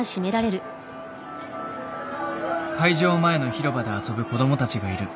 会場前の広場で遊ぶ子どもたちがいる。